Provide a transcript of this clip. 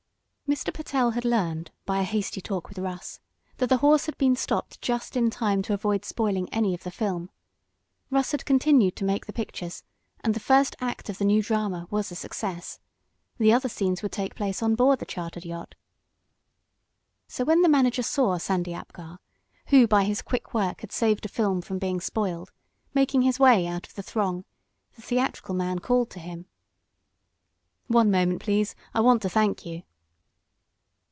Mr. Pertell had learned, by a hasty talk with Russ, that the horse had been stopped just in time to avoid spoiling any of the film. Russ had continued to make the pictures and the first act of the new drama was a success. The other scenes would take place on board the chartered yacht. So when the manager saw Sandy Apgar, who by his quick work had saved a film from being spoiled, making his way out of the throng, the theatrical man called to him: "One moment, please. I want to thank you."